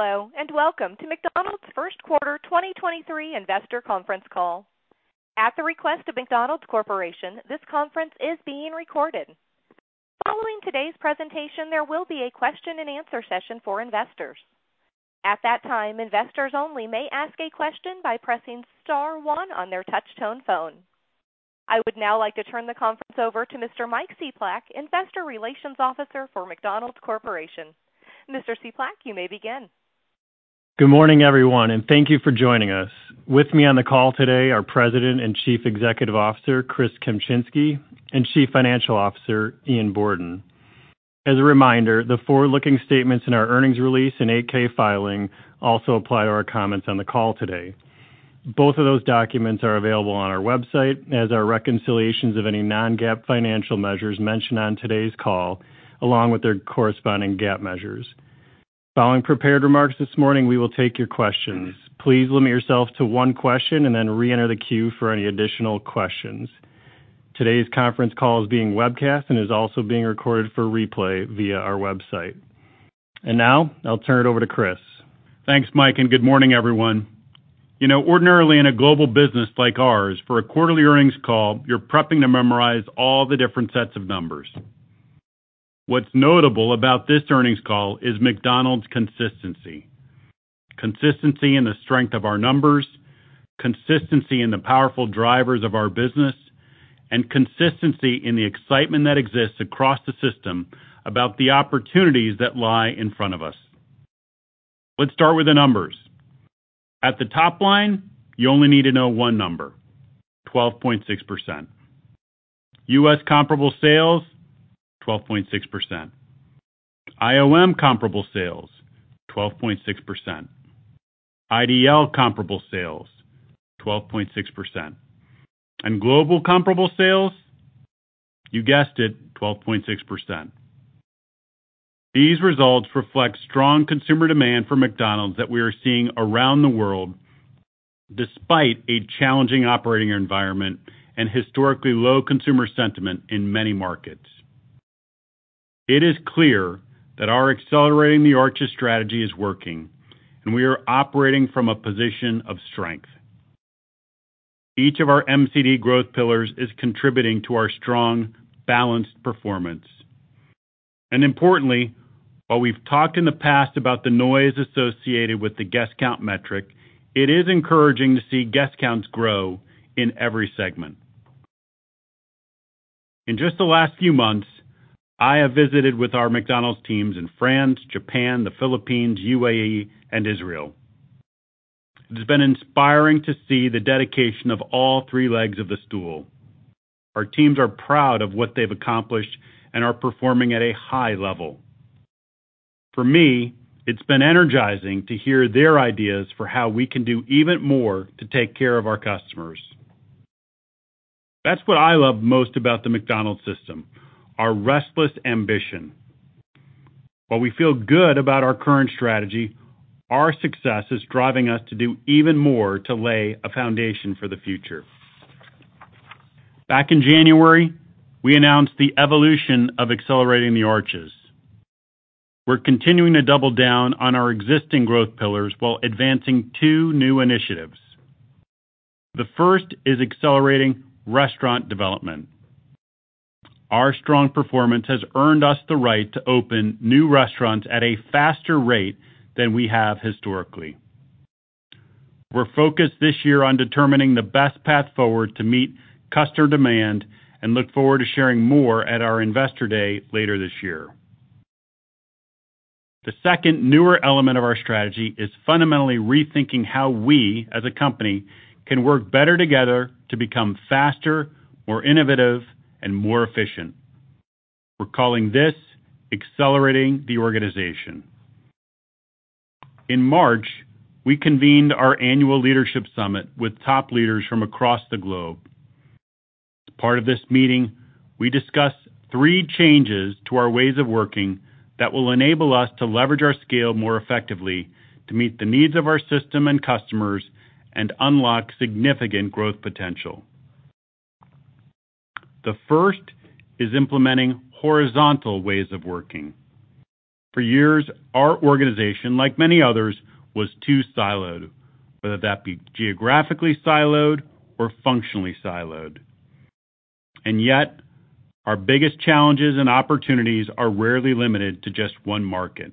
Hello, welcome to McDonald's first quarter 2023 investor conference call. At the request of McDonald's Corporation, this conference is being recorded. Following today's presentation, there will be a question-and-answer session for investors. At that time, investors only may ask a question by pressing star one on their touchtone phone. I would now like to turn the conference over to Mr. Mike Cieplak, Investor Relations Officer for McDonald's Corporation. Mr. Cieplak, you may begin. Good morning, everyone, thank you for joining us. With me on the call today, are President and Chief Executive Officer, Chris Kempczinski, and Chief Financial Officer, Ian Borden. As a reminder, the forward-looking statements in our earnings release and 8-K filing also apply to our comments on the call today. Both of those documents are available on our website as are reconciliations of any non-GAAP financial measures mentioned on today's call, along with their corresponding GAAP measures. Following prepared remarks this morning, we will take your questions. Please limit yourself to one question and then reenter the queue for any additional questions. Today's conference call is being webcast and is also being recorded for replay via our website. Now I'll turn it over to Chris. Thanks, Mike, and good morning, everyone. You know, ordinarily, in a global business like ours, for a quarterly earnings call, you're prepping to memorize all the different sets of numbers. What's notable about this earnings call is McDonald's consistency. Consistency in the strength of our numbers, consistency in the powerful drivers of our business, and consistency in the excitement that exists across the system about the opportunities that lie in front of us. Let's start with the numbers. At the top line, you only need to know one number, 12.6%. U.S. comparable sales, 12.6%. IOM comparable sales, 12.6%. IDL comparable sales, 12.6%. Global comparable sales, you guessed it, 12.6%. These results reflect strong consumer demand for McDonald's that we are seeing around the world despite a challenging operating environment and historically low consumer sentiment in many markets. It is clear that our Accelerating the Arches strategy is working, and we are operating from a position of strength. Each of our MCD growth pillars is contributing to our strong, balanced performance. Importantly, while we've talked in the past about the noise associated with the guest count metric, it is encouraging to see guest counts grow in every segment. In just the last few months, I have visited with our McDonald's teams in France, Japan, the Philippines, UAE, and Israel. It has been inspiring to see the dedication of all three legs of the stool. Our teams are proud of what they've accomplished and are performing at a high level. For me, it's been energizing to hear their ideas for how we can do even more to take care of our customers. That's what I love most about the McDonald's system, our restless ambition. While we feel good about our current strategy, our success is driving us to do even more to lay a foundation for the future. Back in January, we announced the evolution of Accelerating the Arches. We're continuing to double down on our existing growth pillars while advancing two new initiatives. The first is accelerating restaurant development. Our strong performance has earned us the right to open new restaurants at a faster rate than we have historically. We're focused this year on determining the best path forward to meet customer demand and look forward to sharing more at our Investor Update later this year. The second newer element of our strategy is fundamentally rethinking how we as a company can work better together to become faster, more innovative, and more efficient. We're calling this Accelerating the Organization. In March, we convened our annual leadership summit with top leaders from across the globe. As part of this meeting, we discussed three changes to our ways of working that will enable us to leverage our scale more effectively to meet the needs of our system and customers and unlock significant growth potential. The first is implementing horizontal ways of working. For years, our organization, like many others, was too siloed, whether that be geographically siloed or functionally siloed. Yet, our biggest challenges and opportunities are rarely limited to just one market.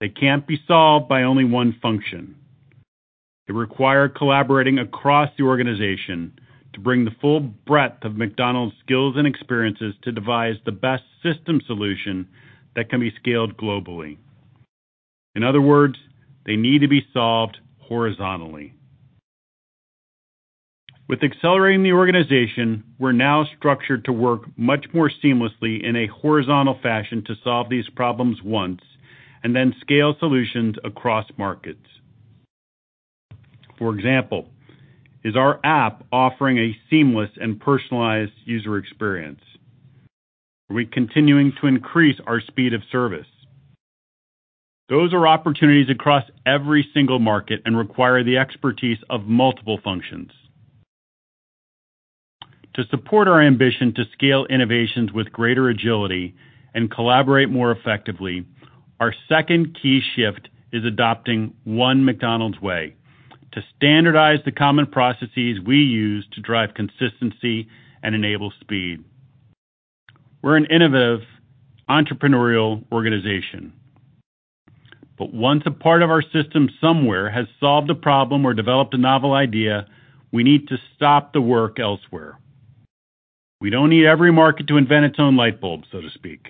They can't be solved by only one function. They require collaborating across the organization to bring the full breadth of McDonald's skills and experiences to devise the best system solution that can be scaled globally. In other words, they need to be solved horizontally. With Accelerating the Organization, we're now structured to work much more seamlessly in a horizontal fashion to solve these problems once and then scale solutions across markets. For example, is our app offering a seamless and personalized user experience? Are we continuing to increase our speed of service? Those are opportunities across every single market and require the expertise of multiple functions. To support our ambition to scale innovations with greater agility and collaborate more effectively, our second key shift is adopting One McDonald's Way to standardize the common processes we use to drive consistency and enable speed. We're an innovative, entrepreneurial organization, but once a part of our system somewhere has solved a problem or developed a novel idea, we need to stop the work elsewhere. We don't need every market to invent its own light bulb, so to speak.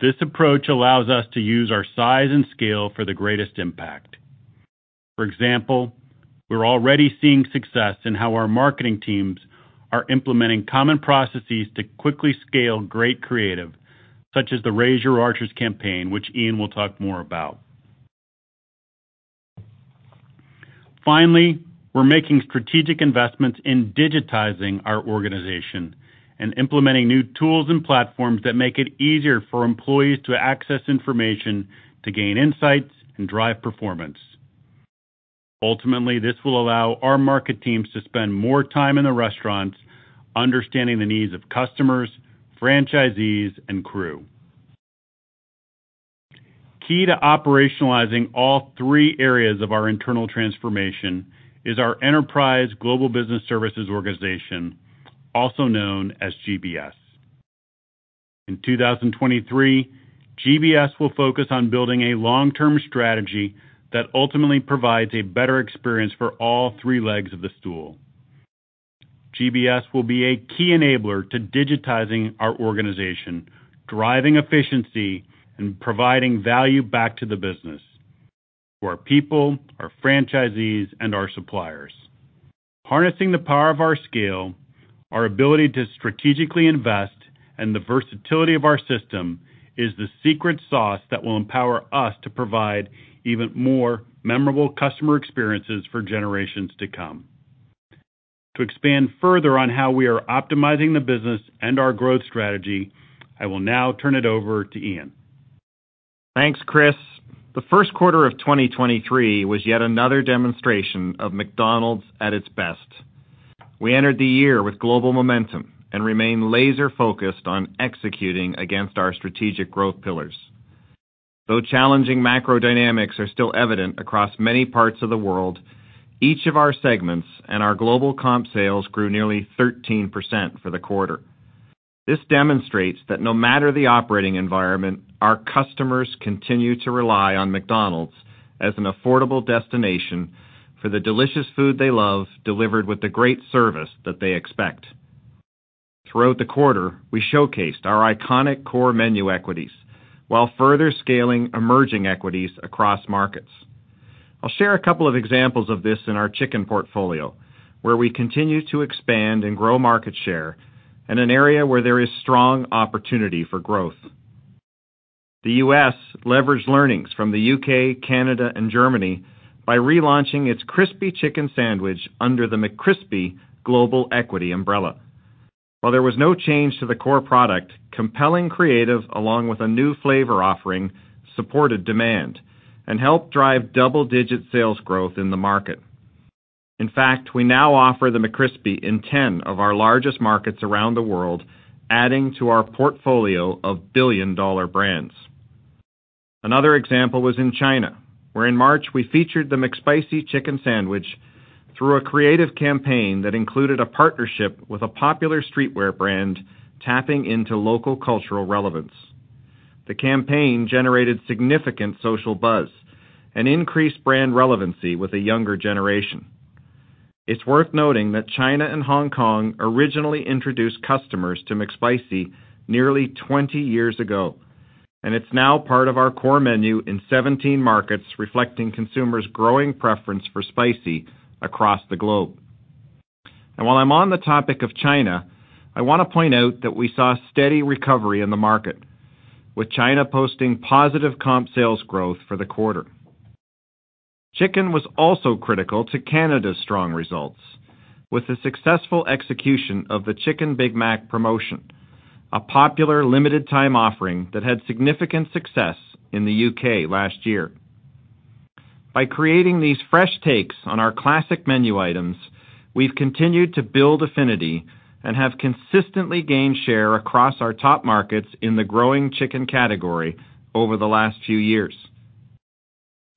This approach allows us to use our size and scale for the greatest impact. For example, we're already seeing success in how our marketing teams are implementing common processes to quickly scale great creative, such as the Raise Your Arches campaign, which Ian will talk more about. Finally, we're making strategic investments in digitizing our organization and implementing new tools and platforms that make it easier for employees to access information to gain insights and drive performance. Ultimately, this will allow our market teams to spend more time in the restaurants understanding the needs of customers, franchisees, and crew. Key to operationalizing all three areas of our internal transformation is our enterprise Global Business Services organization, also known as GBS. In 2023, GBS will focus on building a long-term strategy that ultimately provides a better experience for all three legs of the stool. GBS will be a key enabler to digitizing our organization, driving efficiency and providing value back to the business for our people, our franchisees, and our suppliers. Harnessing the power of our scale, our ability to strategically invest, and the versatility of our system is the secret sauce that will empower us to provide even more memorable customer experiences for generations to come. To expand further on how we are optimizing the business and our growth strategy, I will now turn it over to Ian. Thanks, Chris. The first quarter of 2023 was yet another demonstration of McDonald's at its best. We entered the year with global momentum and remain laser-focused on executing against our strategic growth pillars. Challenging macro dynamics are still evident across many parts of the world, each of our segments and our global comp sales grew nearly 13% for the quarter. This demonstrates that no matter the operating environment, our customers continue to rely on McDonald's as an affordable destination for the delicious food they love, delivered with the great service that they expect. Throughout the quarter, we showcased our iconic core menu equities while further scaling emerging equities across markets. I'll share a couple of examples of this in our chicken portfolio, where we continue to expand and grow market share in an area where there is strong opportunity for growth. The U.S. leveraged learnings from the U.K., Canada, and Germany by relaunching its crispy chicken sandwich under the McCrispy Global Equity umbrella. While there was no change to the core product, compelling creative along with a new flavor offering supported demand and helped drive double-digit sales growth in the market. In fact, we now offer the McCrispy in 10 of our largest markets around the world, adding to our portfolio of billion-dollar brands. Another example was in China, where in March, we featured the McSpicy chicken sandwich through a creative campaign that included a partnership with a popular streetwear brand tapping into local cultural relevance. The campaign generated significant social buzz and increased brand relevancy with a younger generation. It's worth noting that China and Hong Kong originally introduced customers to McSpicy nearly 20 years ago. It's now part of our core menu in 17 markets, reflecting consumers' growing preference for spicy across the globe. While I'm on the topic of China, I want to point out that we saw steady recovery in the market, with China posting positive comp sales growth for the quarter. Chicken was also critical to Canada's strong results with the successful execution of the Chicken Big Mac promotion, a popular limited time offering that had significant success in the UK last year. By creating these fresh takes on our classic menu items, we've continued to build affinity and have consistently gained share across our top markets in the growing chicken category over the last few years.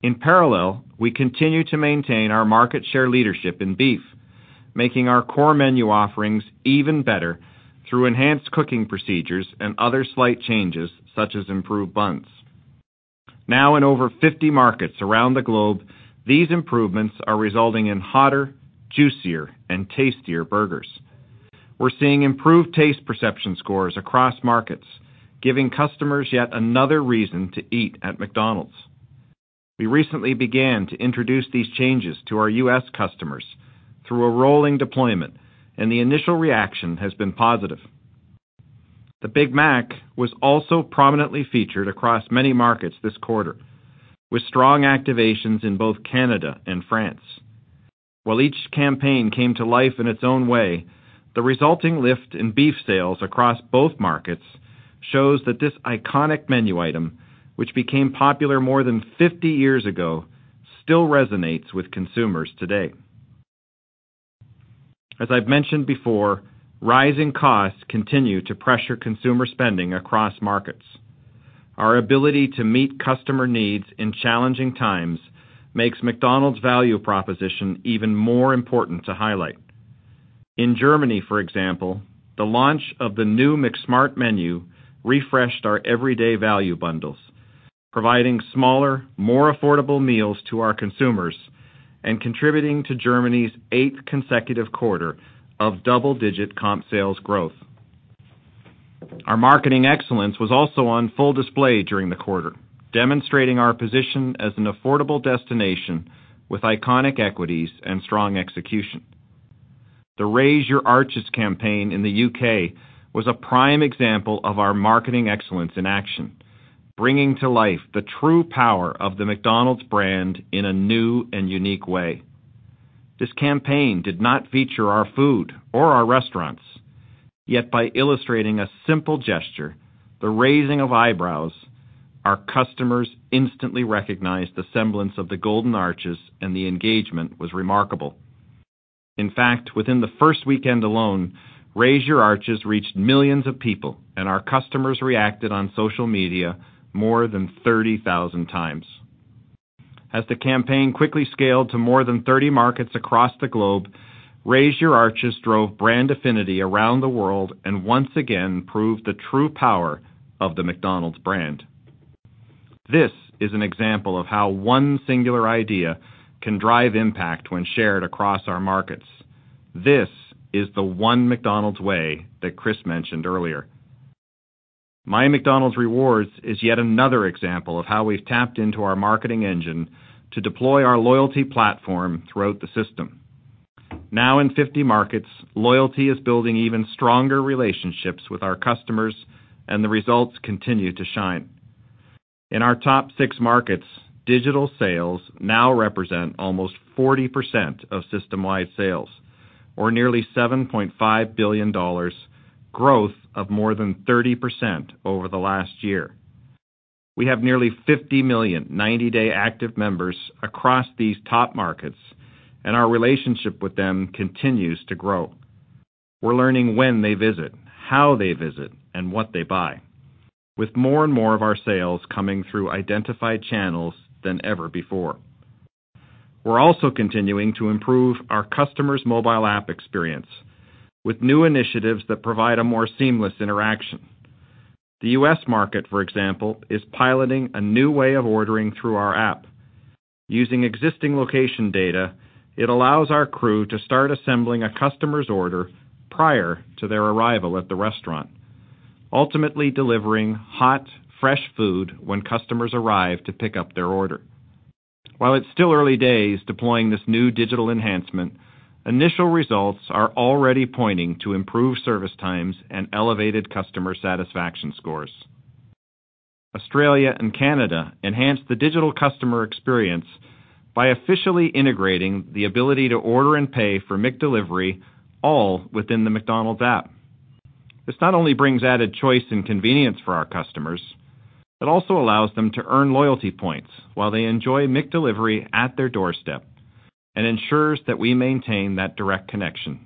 In parallel, we continue to maintain our market share leadership in beef, making our core menu offerings even better through enhanced cooking procedures and other slight changes such as improved buns. Now in over 50 markets around the globe, these improvements are resulting in hotter, juicier, and tastier burgers. We're seeing improved taste perception scores across markets, giving customers yet another reason to eat at McDonald's. We recently began to introduce these changes to our U.S. customers through a rolling deployment, and the initial reaction has been positive. The Big Mac was also prominently featured across many markets this quarter, with strong activations in both Canada and France. While each campaign came to life in its own way, the resulting lift in beef sales across both markets shows that this iconic menu item, which became popular more than 50 years ago still resonates with consumers today. As I've mentioned before, rising costs continue to pressure consumer spending across markets. Our ability to meet customer needs in challenging times makes McDonald's value proposition even more important to highlight. In Germany, for example, the launch of the new McSmart menu refreshed our everyday value bundles, providing smaller, more affordable meals to our consumers and contributing to Germany's eighth consecutive quarter of double-digit comp sales growth. Our marketing excellence was also on full display during the quarter, demonstrating our position as an affordable destination with iconic equities and strong execution. The Raise Your Arches campaign in the U.K. was a prime example of our marketing excellence in action, bringing to life the true power of the McDonald's brand in a new and unique way. This campaign did not feature our food or our restaurants, yet by illustrating a simple gesture, the raising of eyebrows, our customers instantly recognized the semblance of the Golden Arches, and the engagement was remarkable. In fact, within the first weekend alone, Raise Your Arches reached millions of people, and our customers reacted on social media more than 30,000 times. As the campaign quickly scaled to more than 30 markets across the globe, Raise Your Arches drove brand affinity around the world and once again proved the true power of the McDonald's brand. This is an example of how one singular idea can drive impact when shared across our markets. This is the One McDonald's Way that Chris mentioned earlier. MyMcDonald's Rewards is yet another example of how we've tapped into our marketing engine to deploy our loyalty platform throughout the system. Now in 50 markets, loyalty is building even stronger relationships with our customers, and the results continue to shine. In our top six markets, digital sales now represent almost 40% of system-wide sales, or nearly $7.5 billion, growth of more than 30% over the last year. We have nearly 50 million 90-day active members across these top markets, and our relationship with them continues to grow. We're learning when they visit, how they visit, and what they buy, with more and more of our sales coming through identified channels than ever before. We're also continuing to improve our customers' mobile app experience with new initiatives that provide a more seamless interaction. The U.S. market, for example, is piloting a new way of ordering through our app. Using existing location data, it allows our crew to start assembling a customer's order prior to their arrival at the restaurant, ultimately delivering hot, fresh food when customers arrive to pick up their order. While it's still early days deploying this new digital enhancement, initial results are already pointing to improved service times and elevated customer satisfaction scores. Australia and Canada enhanced the digital customer experience by officially integrating the ability to order and pay for McDelivery all within the McDonald's app. This not only brings added choice and convenience for our customers, it also allows them to earn loyalty points while they enjoy McDelivery at their doorstep and ensures that we maintain that direct connection.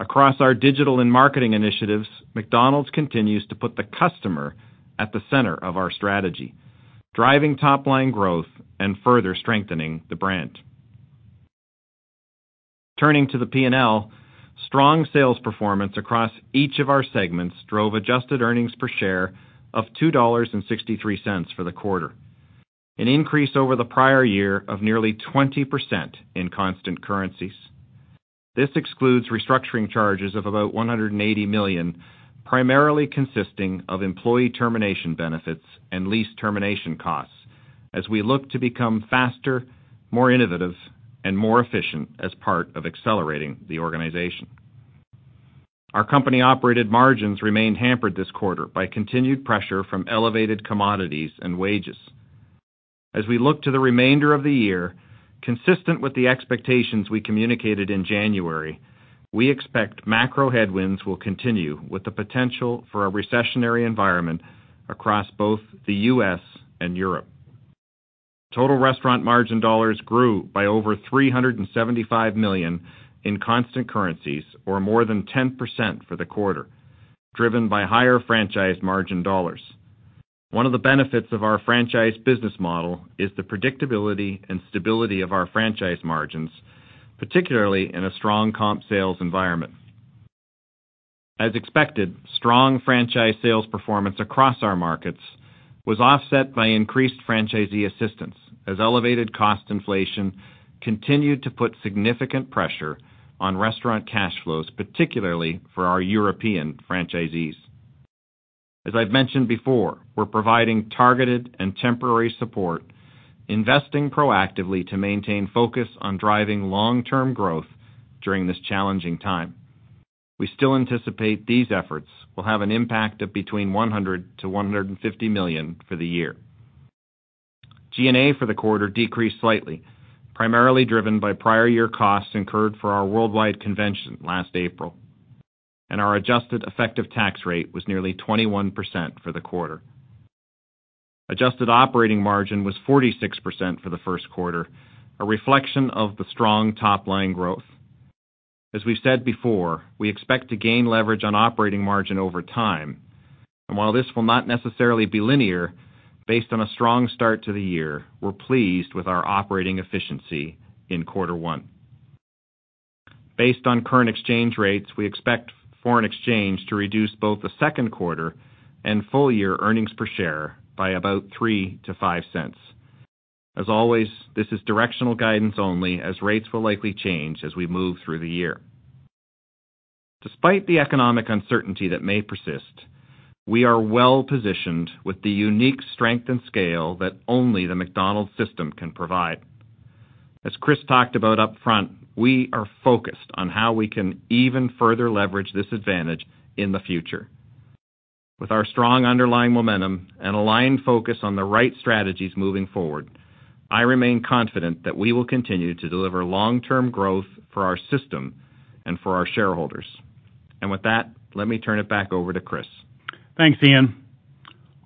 Across our digital and marketing initiatives, McDonald's continues to put the customer at the center of our strategy, driving top-line growth and further strengthening the brand. Turning to the P&L, strong sales performance across each of our segments drove adjusted earnings per share of $2.63 for the quarter, an increase over the prior year of nearly 20% in constant currencies. This excludes restructuring charges of about $180 million, primarily consisting of employee termination benefits and lease termination costs as we look to become faster, more innovative, and more efficient as part of Accelerating the Organization. Our company-operated margins remained hampered this quarter by continued pressure from elevated commodities and wages. As we look to the remainder of the year, consistent with the expectations we communicated in January, we expect macro headwinds will continue, with the potential for a recessionary environment across both the U.S. and Europe. Total restaurant margin dollars grew by over $375 million in constant currencies, or more than 10% for the quarter, driven by higher franchise margin dollars. One of the benefits of our franchise business model is the predictability and stability of our franchise margins, particularly in a strong comp sales environment. As expected, strong franchise sales performance across our markets was offset by increased franchisee assistance as elevated cost inflation continued to put significant pressure on restaurant cash flows, particularly for our European franchisees. As I've mentioned before, we're providing targeted and temporary support, investing proactively to maintain focus on driving long-term growth during this challenging time. We still anticipate these efforts will have an impact of between $100 million-150 million for the year. G&A for the quarter decreased slightly, primarily driven by prior year costs incurred for our worldwide convention last April. Our adjusted effective tax rate was nearly 21% for the quarter. Adjusted operating margin was 46% for the first quarter, a reflection of the strong top-line growth. As we said before, we expect to gain leverage on operating margin over time. While this will not necessarily be linear, based on a strong start to the year, we're pleased with our operating efficiency in quarter one. Based on current exchange rates, we expect foreign exchange to reduce both the second quarter and full-year earnings per share by about $0.03-0.05. As always, this is directional guidance only as rates will likely change as we move through the year. Despite the economic uncertainty that may persist, we are well-positioned with the unique strength and scale that only the McDonald's system can provide. As Chris talked about upfront, we are focused on how we can even further leverage this advantage in the future. With our strong underlying momentum and aligned focus on the right strategies moving forward, I remain confident that we will continue to deliver long-term growth for our system and for our shareholders. With that, let me turn it back over to Chris. Thanks, Ian.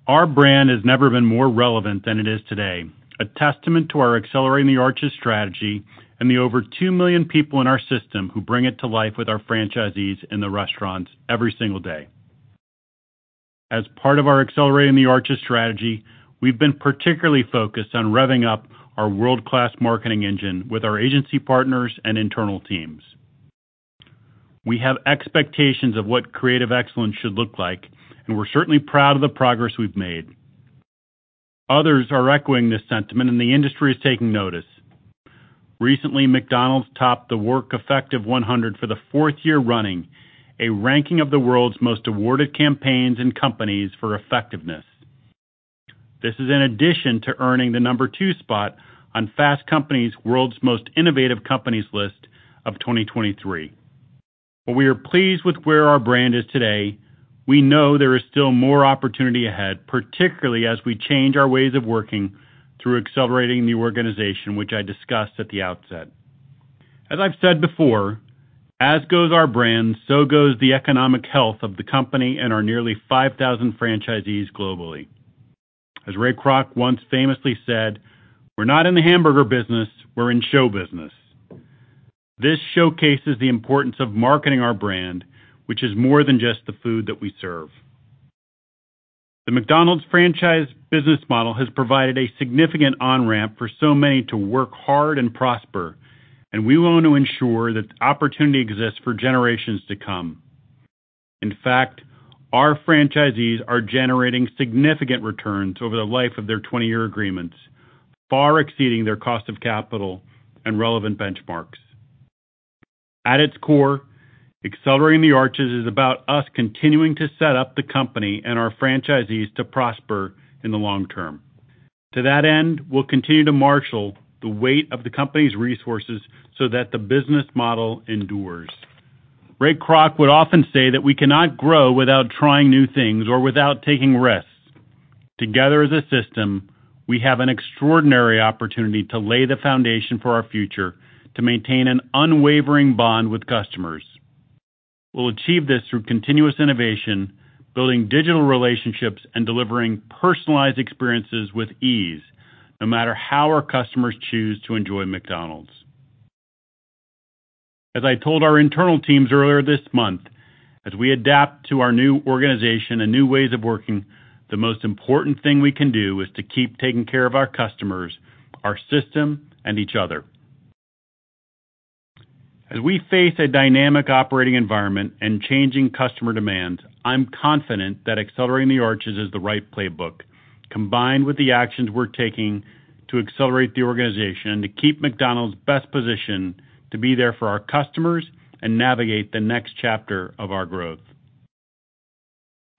Our brand has never been more relevant than it is today, a testament to our Accelerating the Arches strategy and the over 2 million people in our system who bring it to life with our franchisees in the restaurants every single day. As part of our Accelerating the Arches strategy, we've been particularly focused on revving up our world-class marketing engine with our agency partners and internal teams. We have expectations of what creative excellence should look like, and we're certainly proud of the progress we've made. Others are echoing this sentiment, and the industry is taking notice. Recently, McDonald's topped the WARC Effective 100 for the fourth year running, a ranking of the world's most awarded campaigns and companies for effectiveness. This is in addition to earning the number two spot on Fast Company's World's Most Innovative Companies list of 2023. While we are pleased with where our brand is today, we know there is still more opportunity ahead, particularly as we change our ways of working through Accelerating the Organization, which I discussed at the outset. As I've said before, as goes our brand, so goes the economic health of the company and our nearly 5,000 franchisees globally. As Ray Kroc once famously said, "We're not in the hamburger business, we're in show business." This showcases the importance of marketing our brand, which is more than just the food that we serve. The McDonald's franchise business model has provided a significant on-ramp for so many to work hard and prosper. We want to ensure that the opportunity exists for generations to come. In fact, our franchisees are generating significant returns over the life of their 20-year agreements, far exceeding their cost of capital and relevant benchmarks. At its core, Accelerating the Arches is about us continuing to set up the company and our franchisees to prosper in the long term. To that end, we'll continue to marshal the weight of the company's resources so that the business model endures. Ray Kroc would often say that we cannot grow without trying new things or without taking risks. Together as a system, we have an extraordinary opportunity to lay the foundation for our future to maintain an unwavering bond with customers. We'll achieve this through continuous innovation, building digital relationships, and delivering personalized experiences with ease, no matter how our customers choose to enjoy McDonald's. As I told our internal teams earlier this month, as we adapt to our new organization and new ways of working, the most important thing we can do is to keep taking care of our customers, our system, and each other. As we face a dynamic operating environment and changing customer demands, I'm confident that Accelerating the Arches is the right playbook, combined with the actions we're taking to accelerate the organization to keep McDonald's best positioned to be there for our customers and navigate the next chapter of our growth.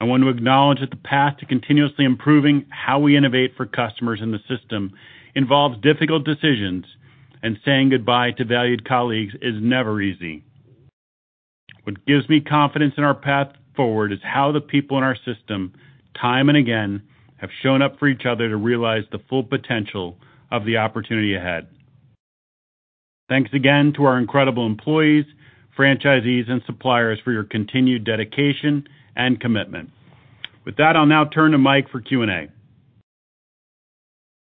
I want to acknowledge that the path to continuously improving how we innovate for customers in the system involves difficult decisions, and saying goodbye to valued colleagues is never easy. What gives me confidence in our path forward is how the people in our system, time and again, have shown up for each other to realize the full potential of the opportunity ahead. Thanks again to our incredible employees, franchisees, and suppliers for your continued dedication and commitment. With that, I'll now turn to Mike for Q&A.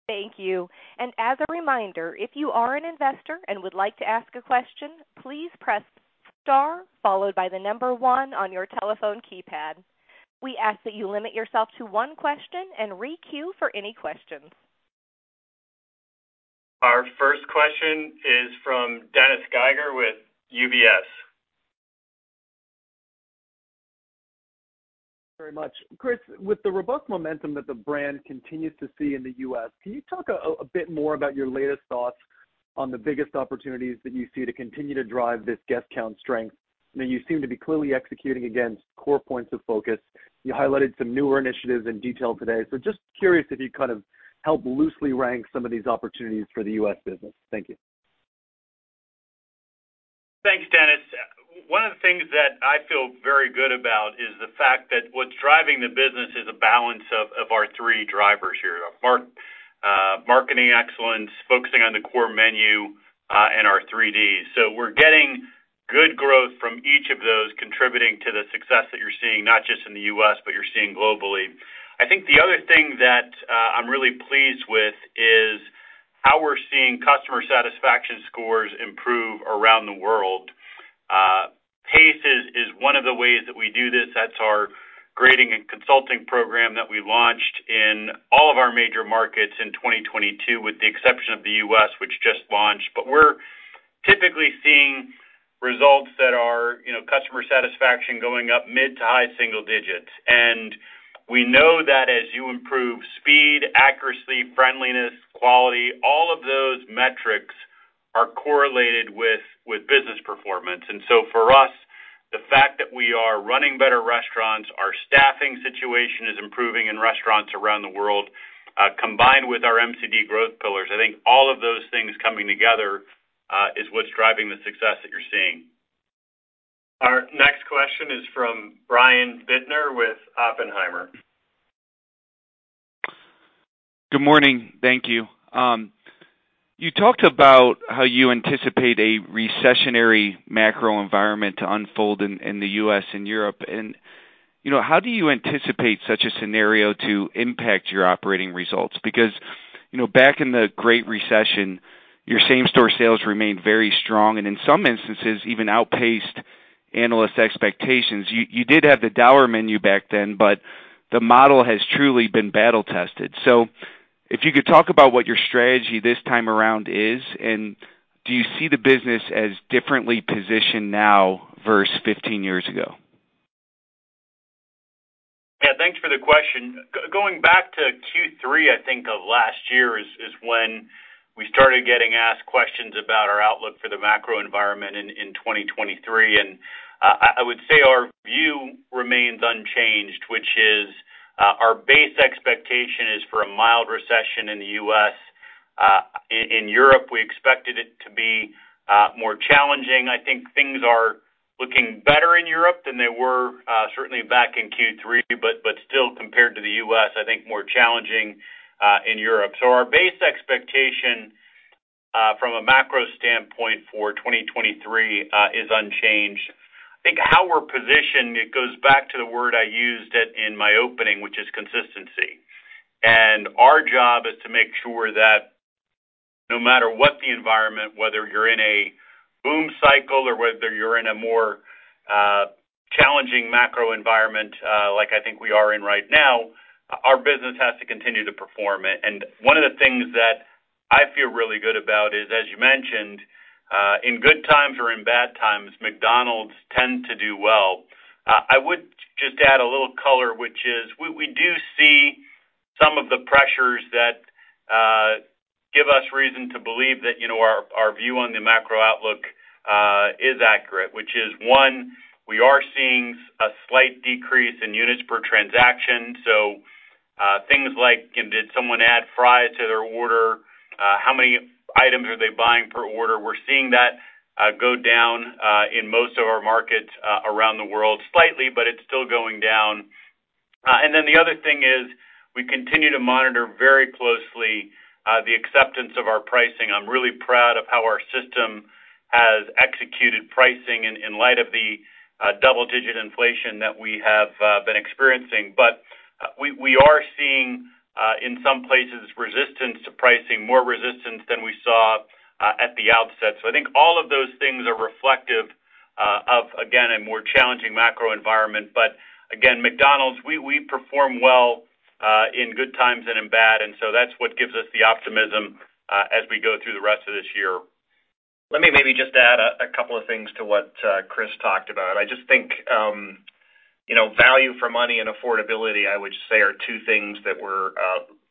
Thank you. As a reminder, if you are an investor and would like to ask a question, please press star followed by one on your telephone keypad. We ask that you limit yourself to one question and re-queue for any questions. Our first question is from Dennis Geiger with UBS. Very much. Chris, with the robust momentum that the brand continues to see in the US, can you talk a bit more about your latest thoughts on the biggest opportunities that you see to continue to drive this guest count strength? You seem to be clearly executing against core points of focus. You highlighted some newer initiatives in detail today. Just curious if you kind of help loosely rank some of these opportunities for the US business. Thank you. Thanks, Dennis. One of the things that I feel very good about is the fact that what's driving the business is a balance of our three drivers here. Marketing focusing on the core menu and our 3Ds. We're getting good growth from each of those contributing to the success that you're seeing, not just in the U.S., but you're seeing globally. I think the other thing that I'm really pleased with is how we're seeing customer satisfaction scores improve around the world. PACE is one of the ways that we do this. That's our grading and consulting program that we launched in all of our major markets in 2022, with the exception of the U.S., which just launched. We're typically seeing results that are, you know, customer satisfaction going up mid to high single digits. We know that as you improve speed, accuracy, friendliness, quality, all of those metrics are correlated with business performance. For us, the fact that we are running better restaurants, our staffing situation is improving in restaurants around the world, combined with our MCD growth pillars, I think all of those things coming together, is what's driving the success that you're seeing. Our next question is from Brian Bittner with Oppenheimer. Good morning. Thank you. You talked about how you anticipate a recessionary macro environment to unfold in the U.S. and Europe. You know, how do you anticipate such a scenario to impact your operating results? Because, you know, back in the Great Recession, your same store sales remained very strong, and in some instances, even outpaced analyst expectations. You did have the Dollar Menu back then, but the model has truly been battle tested. If you could talk about what your strategy this time around is, and do you see the business as differently positioned now versus 15 years ago? Yeah, thanks for the question. going back to Q3, I think of last year is when we started getting asked questions about our outlook for the macro environment in 2023. I would say our view remains unchanged, which is our base expectation is for a mild recession in the US. In Europe, we expected it to be more challenging. I think things are looking better in Europe than they were certainly back in Q3, but still compared to the US, I think more challenging in Europe. Our base expectation from a macro standpoint for 2023 is unchanged. I think how we're positioned, it goes back to the word I used in my opening, which is consistency. Our job is to make sure that no matter what the environment, whether you're in a boom cycle or whether you're in a more challenging macro environment, like I think we are in right now, our business has to continue to perform. One of the things that I feel really good about is, as you mentioned, in good times or in bad times, McDonald's tend to do well. I would just add a little color, which is we do see some of the pressures that give us reason to believe that, you know, our view on the macro outlook is accurate, which is, one, we are seeing a slight decrease in units per transaction. Things like, you know, did someone add fries to their order? How many items are they buying per order? We're seeing that go down in most of our markets around the world slightly, but it's still going down. The other thing is we continue to monitor very closely the acceptance of our pricing. I'm really proud of how our system has executed pricing in light of the double digit inflation that we have been experiencing. We are seeing in some places, resistance to pricing, more resistance than we saw at the outset. I think all of those things are reflective of, again, a more challenging macro environment. Again, McDonald's, we perform well in good times and in bad, and so that's what gives us the optimism as we go through the rest of this year. Let me maybe just add a couple of things to what Chris talked about. I just think, you know, value for money and affordability, I would say are two things that we're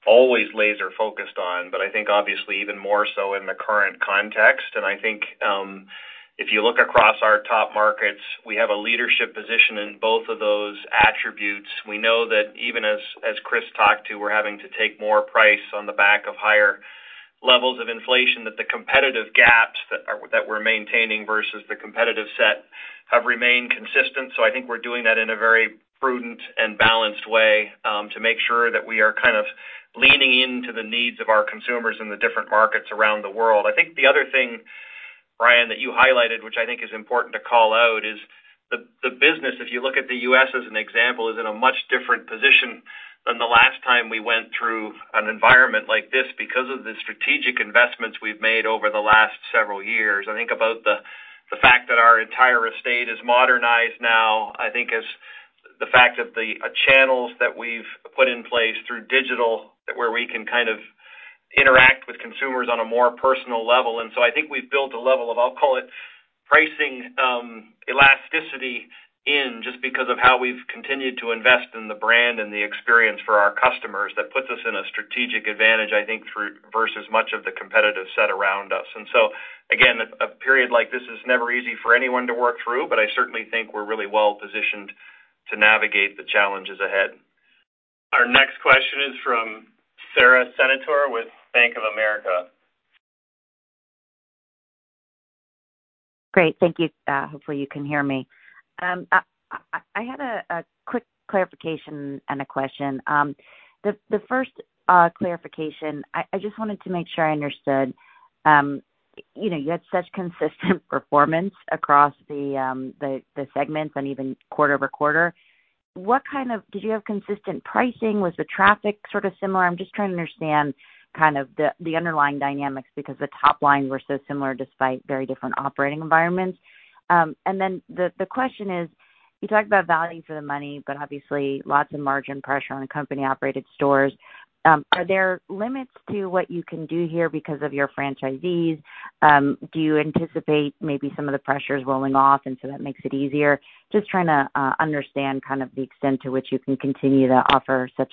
always laser focused on, but I think obviously even more so in the current context. I think, if you look across our top markets, we have a leadership position in both of those attributes. We know that even as Chris talked to, we're having to take more price on the back of higher levels of inflation, that the competitive gaps that we're maintaining versus the competitive set have remained consistent. I think we're doing that in a very prudent and balanced way, to make sure that we are kind of leaning into the needs of our consumers in the different markets around the world. I think the other thing, Brian, that you highlighted, which I think is important to call out, is the business, if you look at the U.S. as an example, is in a much different position than the last time we went through an environment like this because of the strategic investments we've made over the last several years. I think about the fact that our entire estate is modernized now, I think is the fact that the channels that we've put in place through digital, where we can kind of interact with consumers on a more personal level. I think we've built a level of, I'll call it pricing, elasticity in just because of how we've continued to invest in the brand and the experience for our customers. That puts us in a strategic advantage, I think, versus much of the competitive set around us. Again, a period like this is never easy for anyone to work through, but I certainly think we're really well positioned to navigate the challenges ahead. Our next question is from Sara Senatore with Bank of America. Great. Thank you. Hopefully you can hear me. I had a quick clarification and a question. The first clarification, I just wanted to make sure I understood, you know, you had such consistent performance across the segments and even quarter-over-quarter. What kind of did you have consistent pricing? Was the traffic sort of similar? I'm just trying to understand kind of the underlying dynamics because the top lines were so similar despite very different operating environments. The question is, you talked about value for the money, but obviously lots of margin pressure on company operated stores. Are there limits to what you can do here because of your franchisees? Do you anticipate maybe some of the pressures rolling off, and so that makes it easier? Just trying to understand kind of the extent to which you can continue to offer such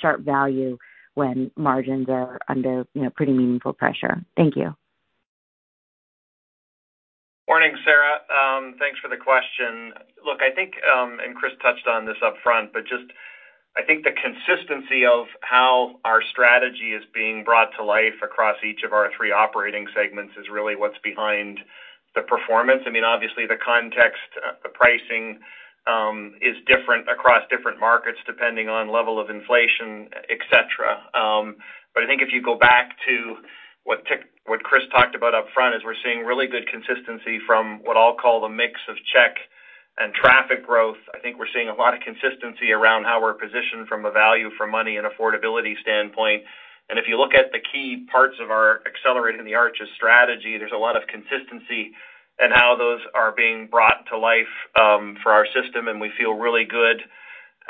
sharp value when margins are under, you know, pretty meaningful pressure. Thank you. Morning, Sara. Thanks for the question. Look, I think, Chris Kempczinski touched on this upfront, but just I think the consistency of how our strategy is being brought to life across each of our three operating segments is really what's behind the performance. I mean, obviously the context, the pricing, is different across different markets depending on level of inflation, et cetera. I think if you go back to what Chris Kempczinski talked about upfront, is we're seeing really good consistency from what I'll call the mix of check and traffic growth. I think we're seeing a lot of consistency around how we're positioned from a value for money and affordability standpoint. If you look at the key parts of our Accelerating the Arches strategy, there's a lot of consistency in how those are being brought to life for our system, and we feel really good.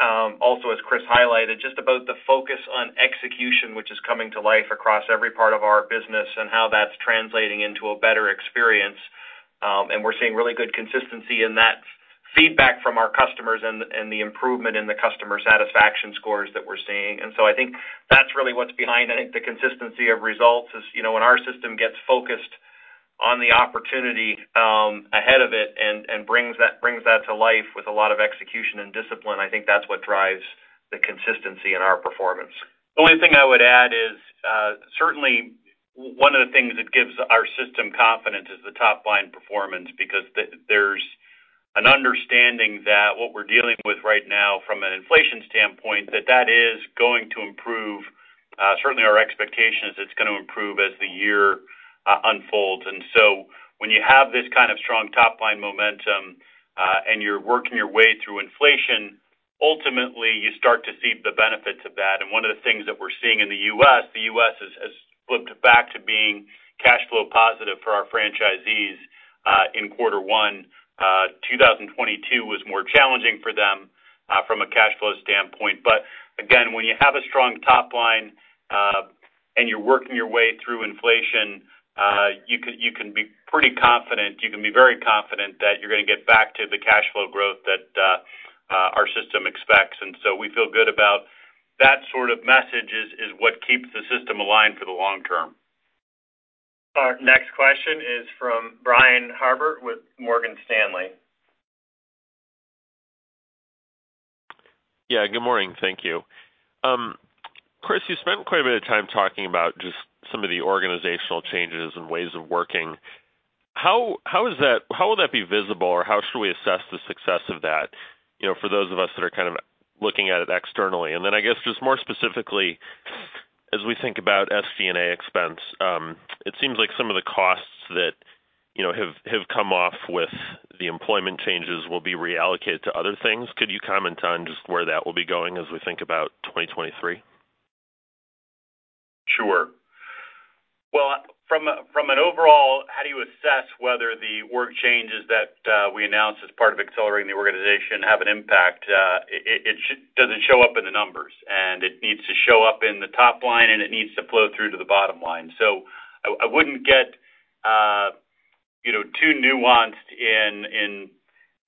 Also as Chris highlighted, just about the focus on execution, which is coming to life across every part of our business and how that's translating into a better experience. We're seeing really good consistency in that feedback from our customers and the improvement in the customer satisfaction scores that we're seeing. I think that's really what's behind. I think the consistency of results is, you know, when our system gets focused on the opportunity ahead of it and brings that to life with a lot of execution and discipline, I think that's what drives the consistency in our performance. The only thing I would add is certainly one of the things that gives our system confidence is the top line performance, because there's an understanding that what we're dealing with right now from an inflation standpoint, that is going to improve. Certainly our expectation is it's going to improve as the year unfolds. When you have this kind of strong top line momentum, and you're working your way through inflation, ultimately you start to see the benefits of that. One of the things that we're seeing in the U.S., the U.S. has flipped back to being cash flow positive for our franchisees in quarter one. 2022 was more challenging for them from a cash flow standpoint. Again, when you have a strong top line, and you're working your way through inflation, you can be pretty confident, you can be very confident that you're gonna get back to the cash flow growth that our system expects. We feel good about that sort of message is what keeps the system aligned for the long term. Our next question is from Brian Harbour with Morgan Stanley. Yeah, good morning. Thank you. Chris, you spent quite a bit of time talking about just some of the organizational changes and ways of working. How will that be visible, or how should we assess the success of that, you know, for those of us that are kind of looking at it externally? I guess just more specifically, as we think about SG&A expense, it seems like some of the costs that, you know, have come off with the employment changes will be reallocated to other things. Could you comment on just where that will be going as we think about 2023? Sure. Well, from an overall, how do you assess whether the work changes that we announced as part of Accelerating the Organization have an impact? It doesn't show up in the numbers, and it needs to show up in the top line, and it needs to flow through to the bottom line. I wouldn't get, you know, too nuanced in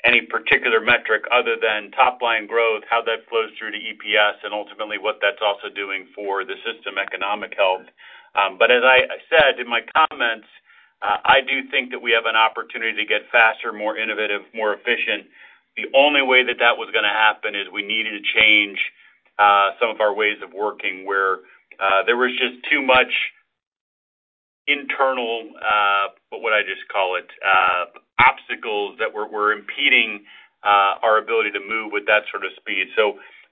any particular metric other than top line growth, how that flows through to EPS, and ultimately what that's also doing for the system economic health. As I said in my comments, I do think that we have an opportunity to get faster, more innovative, more efficient. The only way that that was gonna happen is we needed to change some of our ways of working, where there was just too much internal, what would I just call it? Obstacles that were impeding our ability to move with that sort of speed.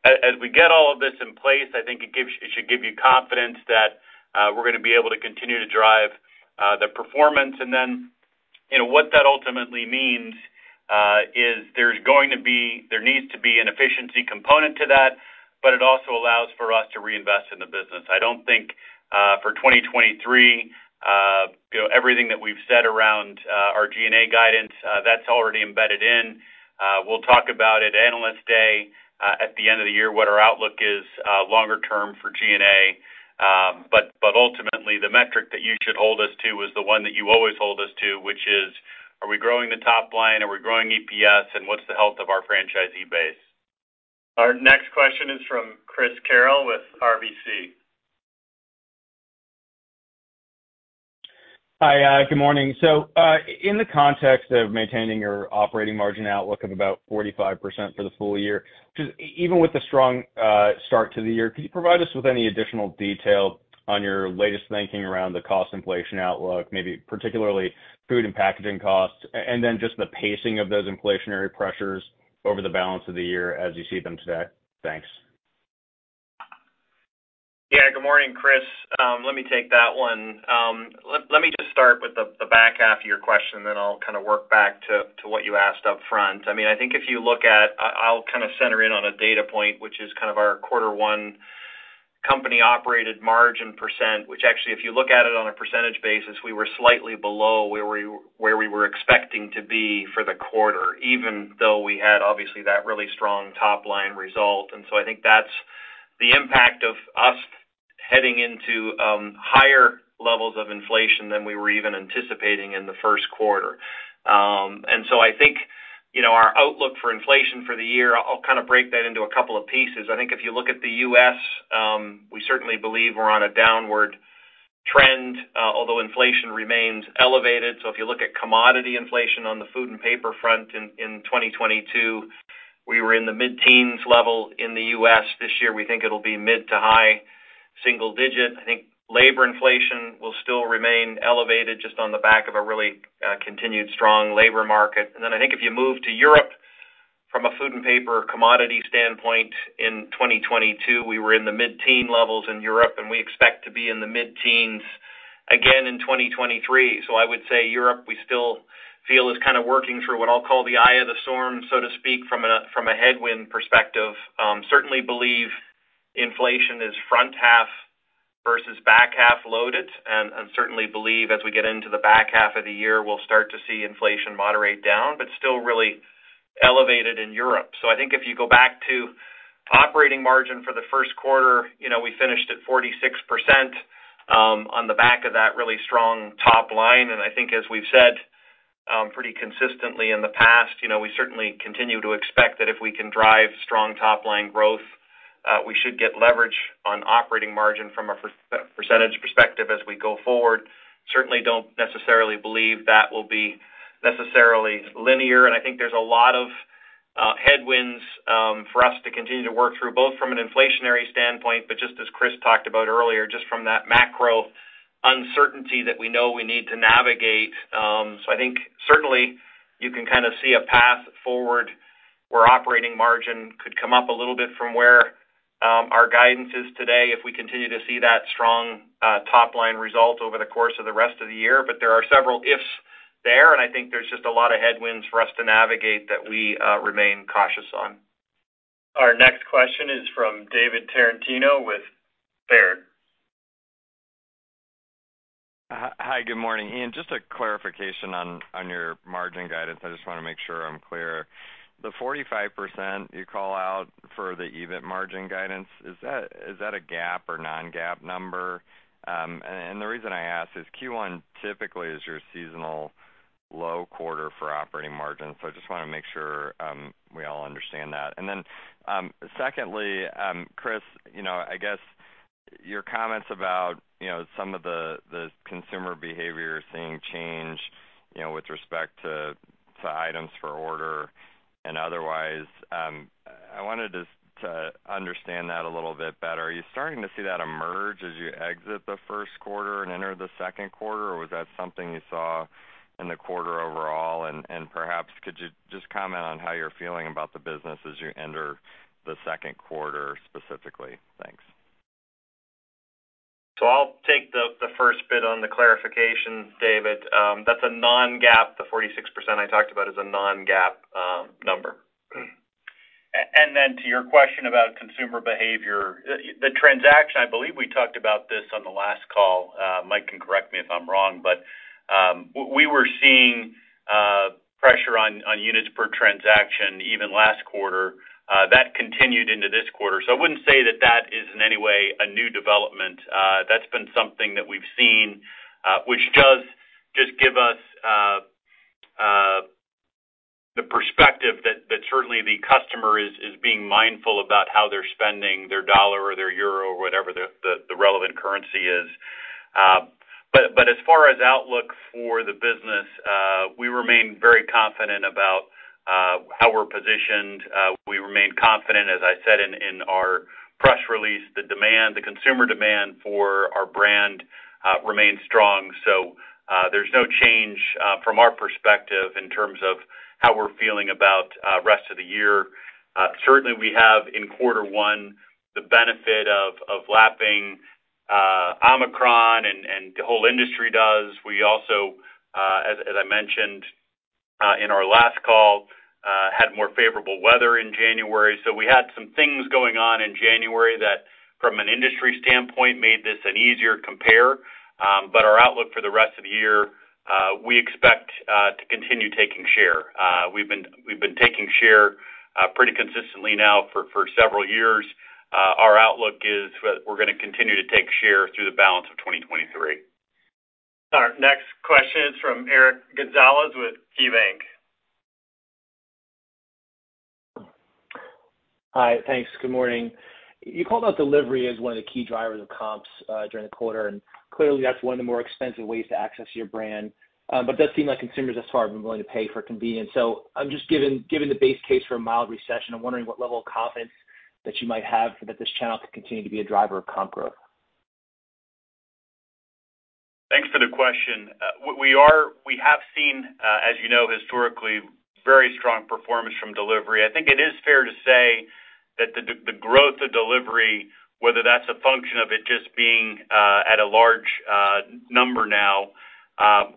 As we get all of this in place, I think it should give you confidence that we're gonna be able to continue to drive the performance. You know, what that ultimately means is there needs to be an efficiency component to that, but it also allows for us to reinvest in the business. I don't think, for 2023, you know, everything that we've said around our G&A guidance, that's already embedded in. We'll talk about at Analyst Day, at the end of the year what our outlook is, longer term for G&A. Ultimately the metric that you should hold us to is the one that you always hold us to, which is, are we growing the top line? Are we growing EPS? What's the health of our franchisee base? Our next question is from Chris Carril with RBC. Hi, good morning. In the context of maintaining your operating margin outlook of about 45% for the full year, just even with the strong start to the year, could you provide us with any additional detail on your latest thinking around the cost inflation outlook, maybe particularly food and packaging costs, and then just the pacing of those inflationary pressures over the balance of the year as you see them today? Thanks. Yeah, good morning, Chris. Let me take that one. Let me just start with the back half of your question, then I'll kind of work back to what you asked up front. I mean, I think I'll kind of center in on a data point, which is kind of our Q1 company-operated margin percent, which actually, if you look at it on a percentage basis, we were slightly below where we were expecting to be for the quarter, even though we had obviously that really strong top-line result. I think that's the impact of us heading into higher levels of inflation than we were even anticipating in the 1st quarter. I think, you know, our outlook for inflation for the year, I'll kind of break that into a couple of pieces. I think if you look at the US, we certainly believe we're on a downward trend, although inflation remains elevated. If you look at commodity inflation on the food and paper front in 2022, we were in the mid-teens level in the US. This year, we think it'll be mid to high single digit. I think labor inflation will still remain elevated just on the back of a really continued strong labor market. I think if you move to Europe from a food and paper commodity standpoint in 2022, we were in the mid-teen levels in Europe, and we expect to be in the mid-teens again in 2023. I would say Europe, we still feel is kind of working through what I'll call the eye of the storm, so to speak, from a headwind perspective. Certainly believe inflation is front half versus back half loaded, and certainly believe as we get into the back half of the year, we'll start to see inflation moderate down, but still really elevated in Europe. I think if you go back to operating margin for the 1st quarter, you know, we finished at 46%, on the back of that really strong top line. I think as we've said, pretty consistently in the past, you know, we certainly continue to expect that if we can drive strong top line growth, we should get leverage on operating margin from a percentage perspective as we go forward. Certainly don't necessarily believe that will be necessarily linear. I think there's a lot of headwinds for us to continue to work through, both from an inflationary standpoint, but just as Chris talked about earlier, just from that macro uncertainty that we know we need to navigate. I think certainly you can kind of see a path forward where operating margin could come up a little bit from where our guidance is today if we continue to see that strong top line result over the course of the rest of the year. There are several ifs there, and I think there's just a lot of headwinds for us to navigate that we remain cautious on. Our next question is from David Tarantino with Baird. Hi, good morning. Ian, just a clarification on your margin guidance. I just wanna make sure I'm clear. The 45% you call out for the EBIT margin guidance, is that a GAAP or non-GAAP number? The reason I ask is Q1 typically is your seasonal low quarter for operating margin, so I just wanna make sure we all understand that. Then, secondly, Chris, you know, I guess your comments about, you know, some of the consumer behavior seeing change, you know, with respect to items for order and otherwise, I wanted to understand that a little bit better. Are you starting to see that emerge as you exit the first quarter and enter the second quarter, or was that something you saw in the quarter overall? Perhaps could you just comment on how you're feeling about the business as you enter the second quarter specifically? Thanks. I'll take the first bit on the clarification, David. That's a non-GAAP, the 46% I talked about is a non-GAAP number. And then to your question about consumer behavior, the transaction, I believe we talked about this on the last call, Mike can correct me if I'm wrong, but we were seeing pressure on units per transaction even last quarter. That continued into this quarter. I wouldn't say that that is in any way a new development. That's been something that we've seen, which does just give us the perspective that certainly the customer is being mindful about how they're spending their dollar or their euro or whatever the relevant currency is. As far as outlook for the business, we remain very confident about how we're positioned. We remain confident, as I said in our press release, the demand, the consumer demand for our brand, remains strong. There's no change from our perspective in terms of how we're feeling about rest of the year. Certainly we have in quarter one, the benefit of lapping Omicron and the whole industry does. We also, as I mentioned in our last call, had more favorable weather in January. We had some things going on in January that from an industry standpoint made this an easier compare. Our outlook for the rest of the year, we expect to continue taking share. We've been taking share, pretty consistently now for several years. Our outlook is we're gonna continue to take share through the balance of 2023. Our next question is from Eric Gonzalez with KeyBanc. Hi. Thanks. Good morning. You called out delivery as one of the key drivers of comps during the quarter, and clearly that's one of the more expensive ways to access your brand. It does seem like consumers thus far have been willing to pay for convenience. I'm just given the base case for a mild recession, I'm wondering what level of confidence that you might have for that this channel could continue to be a driver of comp growth. Thanks for the question. We have seen, as you know, historically, very strong performance from delivery. I think it is fair to say that the growth of delivery, whether that's a function of it just being at a large number now,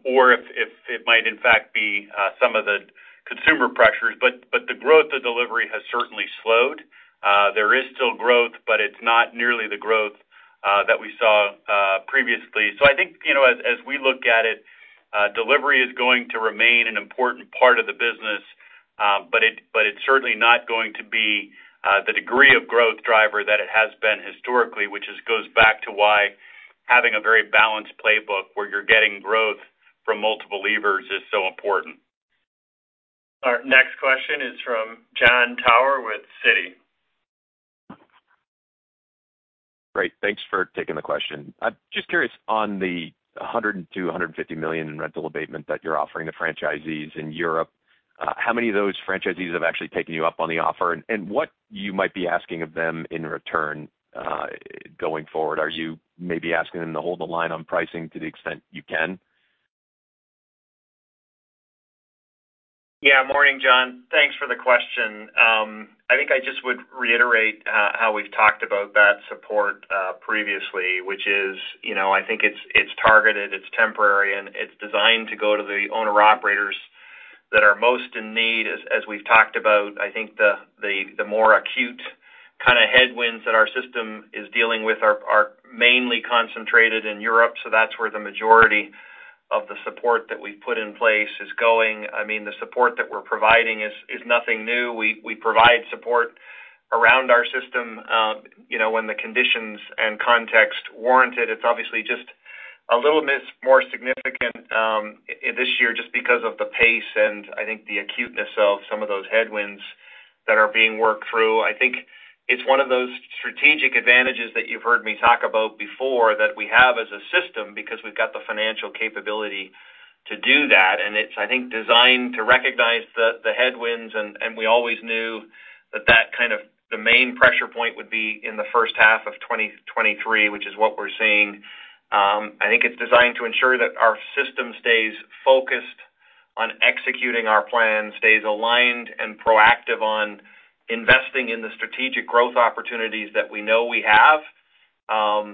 or if it might in fact be some of the consumer pressures. The growth of delivery has certainly slowed. There is still growth, but it's not nearly the growth that we saw previously. I think, you know, as we look at it, delivery is going to remain an important part of the business, but it's certainly not going to be the degree of growth driver that it has been historically, goes back to why having a very balanced playbook where you're getting growth from multiple levers is so important. Our next question is from Jon Tower with Citi. Great. Thanks for taking the question. I'm just curious, on the 100 million-150 million in rental abatement that you're offering the franchisees in Europe, how many of those franchisees have actually taken you up on the offer? What you might be asking of them in return, going forward? Are you maybe asking them to hold the line on pricing to the extent you can? Yeah. Morning, John. Thanks for the question. I think I just would reiterate how we've talked about that support previously, which is, you know, I think it's targeted, it's temporary, and it's designed to go to the owner-operators that are most in need. As, as we've talked about, I think the, the more acute kinda headwinds that our system is dealing with are mainly concentrated in Europe, so that's where the majority of the support that we've put in place is going. I mean, the support that we're providing is nothing new. We, we provide support around our system, you know, when the conditions and context warrant it. It's obviously just a little bit more significant this year just because of the pace and I think the acuteness of some of those headwinds that are being worked through. I think it's one of those strategic advantages that you've heard me talk about before that we have as a system because we've got the financial capability to do that, and it's, I think, designed to recognize the headwinds and we always knew that kind of the main pressure point would be in the first half of 2023, which is what we're seeing. I think it's designed to ensure that our system stays focused on executing our plan, stays aligned and proactive on investing in the strategic growth opportunities that we know we have,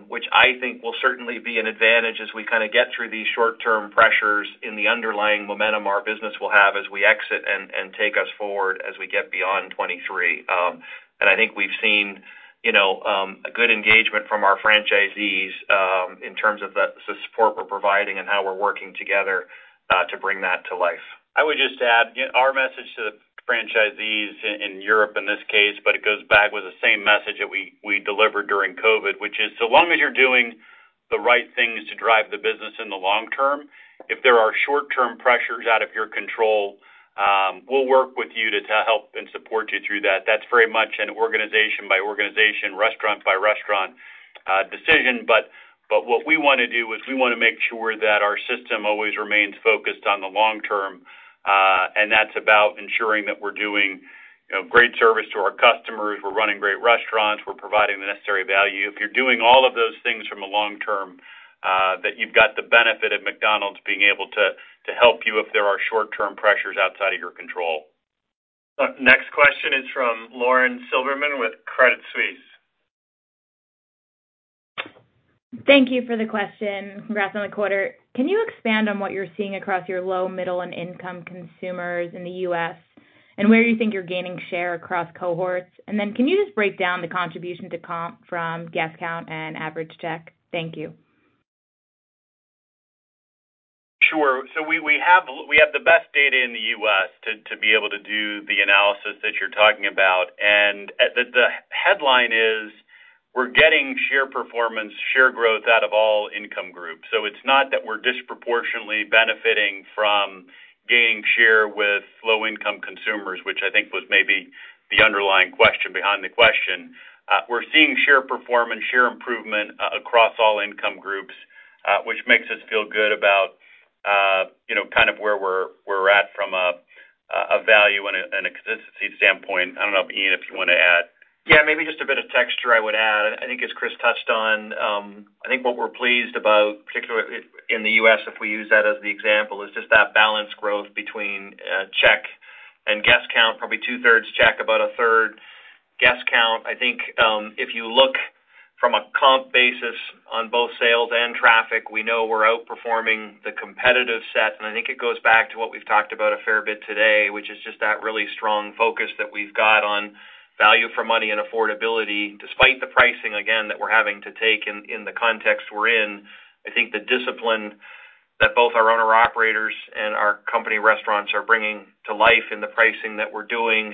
which I think will certainly be an advantage as we kinda get through these short-term pressures in the underlying momentum our business will have as we exit and take us forward as we get beyond 2023. I think we've seen, you know, a good engagement from our franchisees in terms of the support we're providing and how we're working together to bring that to life. I would just add, our message to the franchisees in Europe in this case, but it goes back with the same message that we delivered during COVID, which is so long as you're doing the right things to drive the business in the long term, if there are short-term pressures out of your control, we'll work with you to help and support you through that. That's very much an organization by organization, restaurant by restaurant decision. What we wanna do is we wanna make sure that our system always remains focused on the long term, and that's about ensuring that we're doing, you know, great service to our customers, we're running great restaurants, we're providing the necessary value. If you're doing all of those things from a long term, that you've got the benefit of McDonald's being able to help you if there are short-term pressures outside of your control. Next question is from Lauren Silberman with Credit Suisse. Thank you for the question. Congrats on the quarter. Can you expand on what you're seeing across your low, middle, and income consumers in the US, and where you think you're gaining share across cohorts? Can you just break down the contribution to comp from guest count and average check? Thank you. Sure. We have the best data in the U.S. to be able to do the analysis that you're talking about. The headline is we're getting share performance, share growth out of all income groups. It's not that we're disproportionately benefiting from gaining share with low income consumers, which I think was maybe the underlying question behind the question. We're seeing share performance, share improvement across all income groups, which makes us feel good about, you know, kind of where we're at from a value and a consistency standpoint. I don't know, Ian, if you wanna add. Yeah, maybe just a bit of texture I would add. I think as Chris touched on, I think what we're pleased about, particularly in the U.S., if we use that as the example, is just that balanced growth between check and guest count, probably two-thirds check, about a third guest count. I think, if you look from a comp basis on both sales and traffic, we know we're outperforming the competitive set. I think it goes back to what we've talked about a fair bit today, which is just that really strong focus that we've got on value for money and affordability. Despite the pricing, again, that we're having to take in the context we're in, I think the discipline that both our owner-operators and our company restaurants are bringing to life in the pricing that we're doing,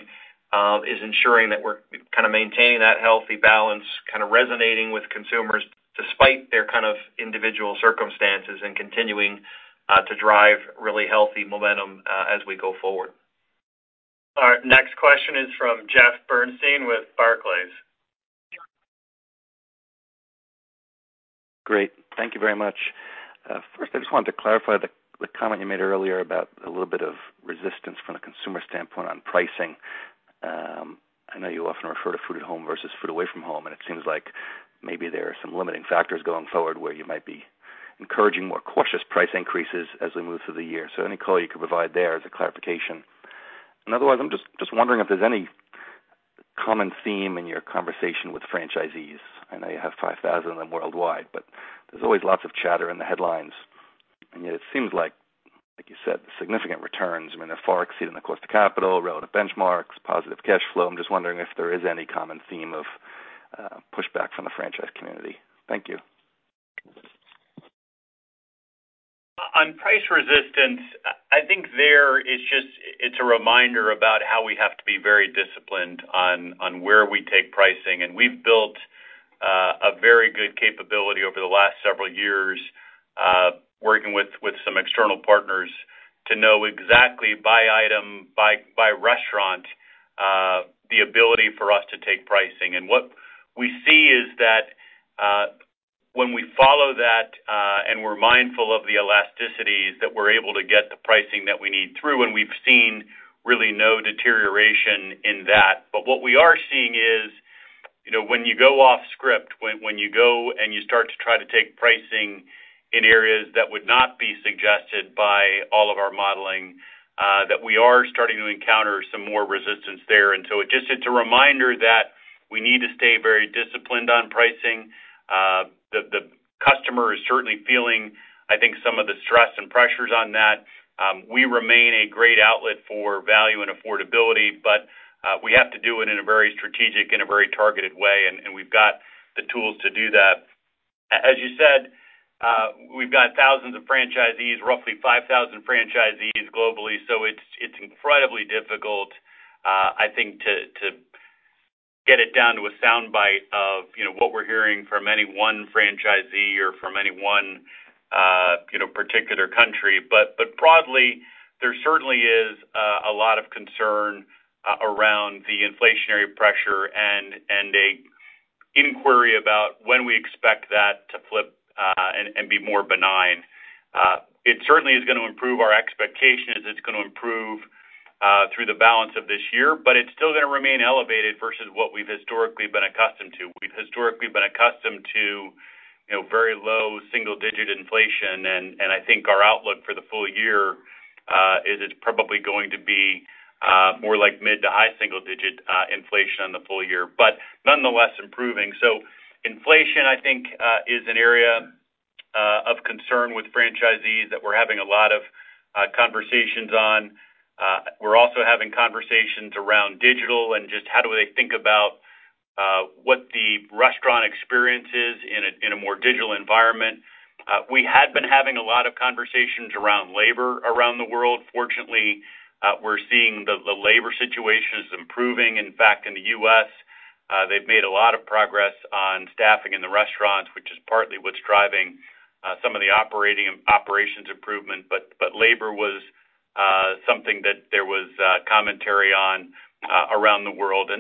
is ensuring that we're kinda maintaining that healthy balance, kinda resonating with consumers. Despite their kind of individual circumstances and continuing to drive really healthy momentum as we go forward. Our next question is from Jeffrey Bernstein with Barclays. Great. Thank you very much. First, I just wanted to clarify the comment you made earlier about a little bit of resistance from a consumer standpoint on pricing. I know you often refer to food at home versus food away from home, and it seems like maybe there are some limiting factors going forward where you might be encouraging more cautious price increases as we move through the year. So any color you could provide there as a clarification. Otherwise, I'm just wondering if there's any common theme in your conversation with franchisees. I know you have 5,000 of them worldwide, but there's always lots of chatter in the headlines. Yet it seems like you said, significant returns. I mean, they're far exceeding the cost of capital, relative benchmarks, positive cash flow. I'm just wondering if there is any common theme of pushback from the franchise community. Thank you. On price resistance, I think there it's a reminder about how we have to be very disciplined on where we take pricing. We've built a very good capability over the last several years working with some external partners to know exactly by item, by restaurant, the ability for us to take pricing. What we see is that when we follow that and we're mindful of the elasticities, that we're able to get the pricing that we need through. We've seen really no deterioration in that. What we are seeing is, you know, when you go off script, when you go and you start to try to take pricing in areas that would not be suggested by all of our modeling, that we are starting to encounter some more resistance there. It's a reminder that we need to stay very disciplined on pricing. The customer is certainly feeling, I think, some of the stress and pressures on that. We remain a great outlet for value and affordability, but we have to do it in a very strategic and a very targeted way, and we've got the tools to do that. As you said, we've got thousands of franchisees, roughly 5,000 franchisees globally. It's incredibly difficult, I think, to get it down to a soundbite of, you know, what we're hearing from any one franchisee or from any one, you know, particular country. But broadly, there certainly is a lot of concern around the inflationary pressure and an inquiry about when we expect that to flip and be more benign. It certainly is gonna improve our expectations. It's gonna improve through the balance of this year, it's still gonna remain elevated versus what we've historically been accustomed to. We've historically been accustomed to, you know, very low single-digit inflation. I think our outlook for the full year is it's probably going to be more like mid-to-high single-digit inflation on the full year, nonetheless improving. Inflation, I think, is an area of concern with franchisees that we're having a lot of conversations on. We're also having conversations around digital and just how do they think about what the restaurant experience is in a more digital environment. We had been having a lot of conversations around labor around the world. Fortunately, we're seeing the labor situation is improving. In fact, in the U.S., they've made a lot of progress on staffing in the restaurants, which is partly what's driving some of the operations improvement. Labor was something that there was commentary on around the world.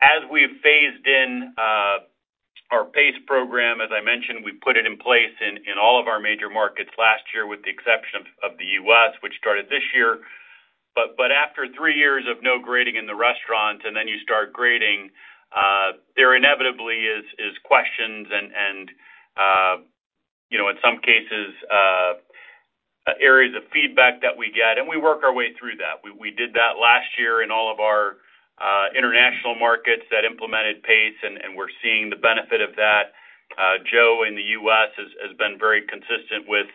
As we've phased in our PACE program, as I mentioned, we put it in place in all of our major markets last year, with the exception of the U.S., which started this year. After three years of no grading in the restaurant, and then you start grading, there inevitably is questions and, you know, in some cases, areas of feedback that we get, and we work our way through that. We did that last year in all of our international markets that implemented PACE, and we're seeing the benefit of that. Joe in the U.S. has been very consistent with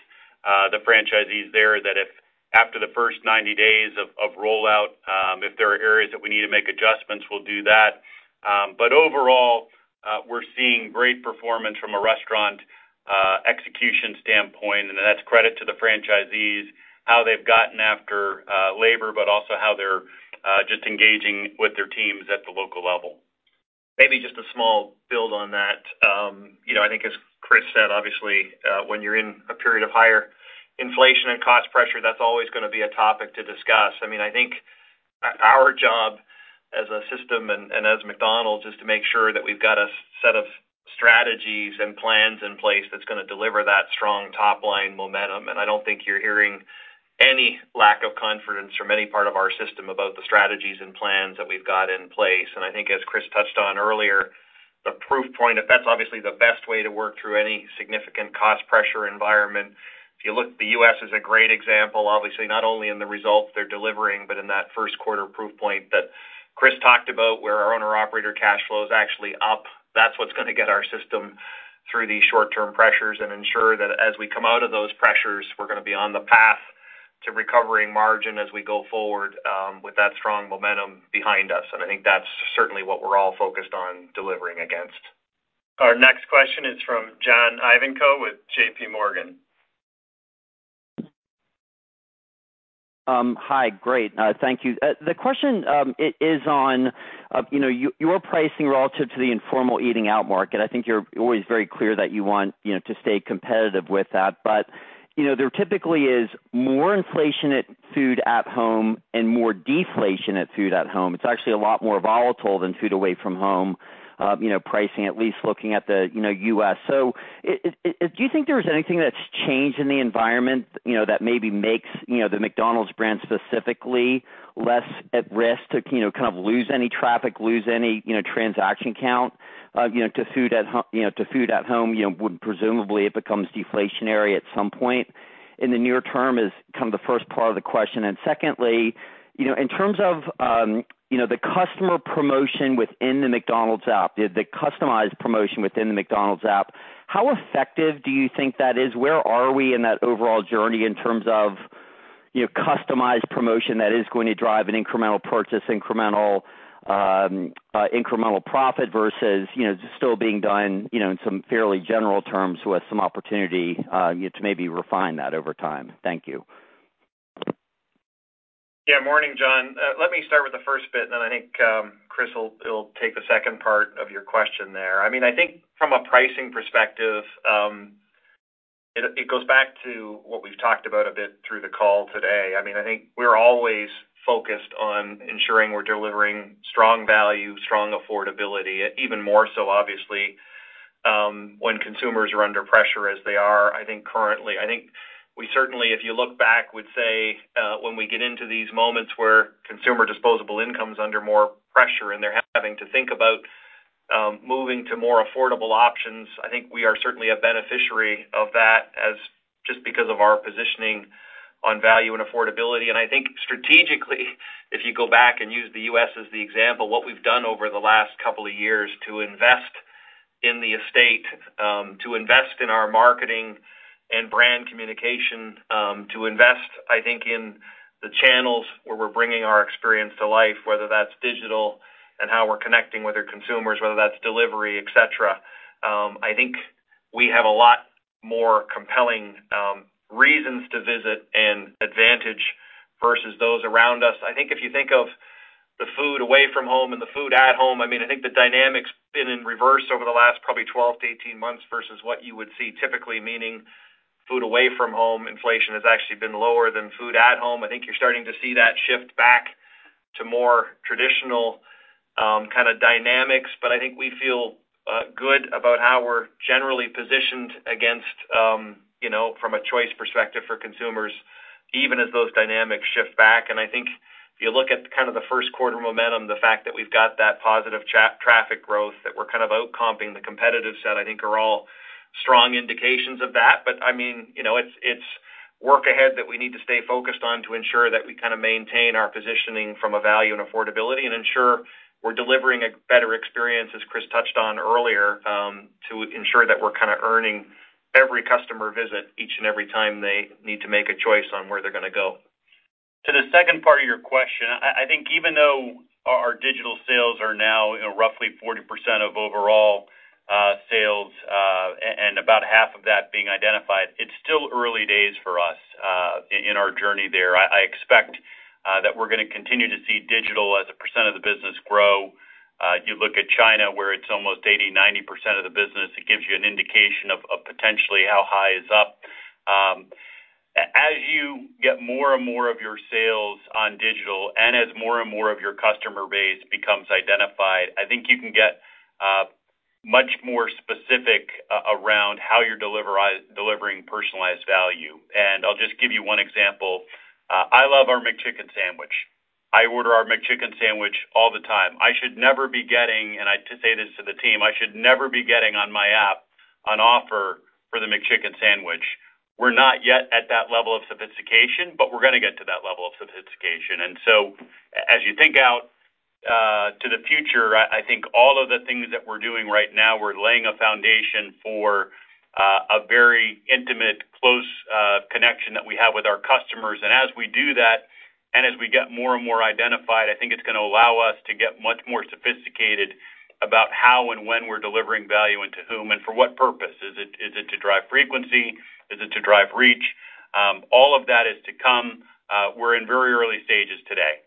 the franchisees there that if after the first 90 days of rollout, if there are areas that we need to make adjustments, we'll do that. Overall, we're seeing great performance from a restaurant execution standpoint, and that's credit to the franchisees, how they've gotten after labor, but also how they're just engaging with their teams at the local level. Maybe just a small build on that. You know, I think as Chris said, obviously, when you're in a period of higher inflation and cost pressure, that's always gonna be a topic to discuss. I mean, I think our job as a system and, as McDonald's is to make sure that we've got a set of strategies and plans in place that's gonna deliver that strong top-line momentum. I don't think you're hearing any lack of confidence from any part of our system about the strategies and plans that we've got in place. I think as Chris touched on earlier, the proof point, that's obviously the best way to work through any significant cost pressure environment. If you look, the U.S. is a great example, obviously, not only in the results they're delivering, but in that first quarter proof point that Chris talked about where our owner operator cash flow is actually up. That's what's gonna get our system through these short-term pressures and ensure that as we come out of those pressures, we're gonna be on the path to recovering margin as we go forward with that strong momentum behind us. I think that's certainly what we're all focused on delivering against. Our next question is from John Ivankoe with JPMorgan. Hi. Great. Thank you. The question is on, you know, your pricing relative to the informal eating out market. I think you're always very clear that you want, you know, to stay competitive with that. You know, there typically is more inflation at food at home and more deflation at food at home. It's actually a lot more volatile than food away from home, you know, pricing, at least looking at the, you know, U.S. Do you think there is anything that's changed in the environment, you know, that maybe makes, you know, the McDonald's brand specifically less at risk to, you know, kind of lose any traffic, lose any, you know, transaction count, you know, to food at home, you know, when presumably it becomes deflationary at some point in the near term is kind of the first part of the question. Secondly, you know, in terms of, you know, the customer promotion within the McDonald's app, the customized promotion within the McDonald's app, how effective do you think that is? Where are we in that overall journey in terms of, you know, customized promotion that is going to drive an incremental purchase, incremental profit versus, you know, just still being done, you know, in some fairly general terms with some opportunity, you know, to maybe refine that over time? Thank you. Morning, John. Let me start with the first bit, and then I think Chris will take the second part of your question there. I mean, I think from a pricing perspective, it goes back to what we've talked about a bit through the call today. I mean, I think we're always focused on ensuring we're delivering strong value, strong affordability, even more so obviously, when consumers are under pressure as they are, I think, currently. I think we certainly, if you look back, would say, when we get into these moments where consumer disposable income's under more pressure and they're having to think about moving to more affordable options, I think we are certainly a beneficiary of that as just because of our positioning on value and affordability. I think strategically, if you go back and use the U.S. as the example, what we've done over the last couple of years to invest in the estate, to invest in our marketing and brand communication, to invest, I think, in the channels where we're bringing our experience to life, whether that's digital and how we're connecting with our consumers, whether that's delivery, et cetera, I think we have a lot more compelling reasons to visit and advantage versus those around us. I think if you think of the food away from home and the food at home, I mean, I think the dynamic's been in reverse over the last probably 12 to 18 months versus what you would see typically, meaning food away from home inflation has actually been lower than food at home. I think you're starting to see that shift back to more traditional, kind of dynamics. I think we feel good about how we're generally positioned against, you know, from a choice perspective for consumers, even as those dynamics shift back. I think if you look at kind of the first quarter momentum, the fact that we've got that positive traffic growth, that we're kind of outcomping the competitive set, I think are all strong indications of that. I mean, you know, it's work ahead that we need to stay focused on to ensure that we kind of maintain our positioning from a value and affordability and ensure we're delivering a better experience, as Chris touched on earlier, to ensure that we're kind of earning every customer visit each and every time they need to make a choice on where they're gonna go. To the second part of your question, I think even though our digital sales are now roughly 40% of overall sales, and about half of that being identified, it's still early days for us in our journey there. I expect that we're gonna continue to see digital as a percent of the business grow. You look at China, where it's almost 80%, 90% of the business, it gives you an indication of potentially how high is up. As you get more and more of your sales on digital, and as more and more of your customer base becomes identified, I think you can get much more specific around how you're delivering personalized value. I'll just give you 1 example. I love our McChicken sandwich. I order our McChicken sandwich all the time. I should never be getting, and I say this to the team, I should never be getting on my app an offer for the McChicken sandwich. We're not yet at that level of sophistication, we're gonna get to that level of sophistication. As you think out to the future, I think all of the things that we're doing right now, we're laying a foundation for a very intimate, close connection that we have with our customers. As we do that, and as we get more and more identified, I think it's gonna allow us to get much more sophisticated about how and when we're delivering value and to whom and for what purpose. Is it to drive frequency? Is it to drive reach? All of that is to come. We're in very early stages today. Okay,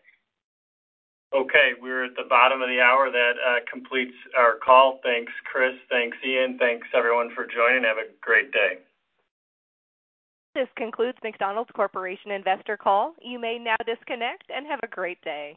we're at the bottom of the hour. That completes our call. Thanks, Chris. Thanks, Ian. Thanks, everyone, for joining. Have a great day. This concludes McDonald's Corporation investor call. You may now disconnect and have a great day.